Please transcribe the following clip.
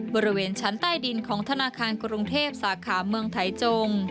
บริเวณชั้นใต้ดินของธนาคารกรุงเทพสาขาเมืองไทยจง